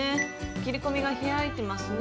切り込みが開いてますね。